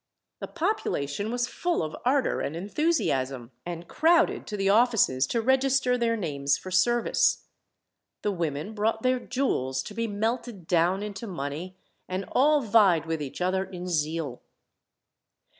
The population was full of ardour and enthusiasm, and crowded to the offices to register their names for service. The women brought their jewels, to be melted down into money; and all vied with each other in zeal.